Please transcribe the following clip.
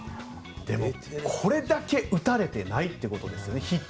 これだけヒットを打たれてないということですね。